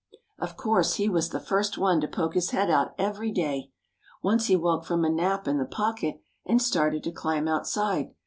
Of course he was the first one to poke his head out every day. Once he woke from a nap in the pocket and started to climb outside.